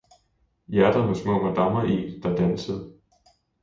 hjerter med små madammer i, der dansede.